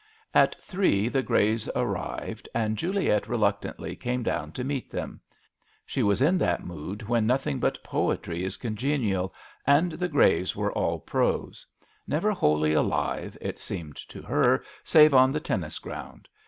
At three the Greys arrived, and Juliet reluctantly came down to meet them. She was in that mood when nothing but poetry is congenial, and the Greys were all prose : never wholly alive, it seemed to her, save on the tennis ground.